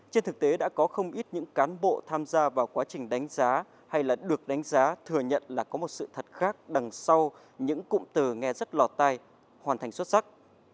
trên thực tế đã có không ít những cán bộ tham gia vào quá trình đánh giá hay là được đánh giá thừa nhận là có một sự thật khác đằng sau những cụm từ nghe rất lò tay hoàn thành xuất sắc